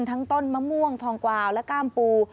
ต้นมะม่วงทองกวาวและกล้ามปู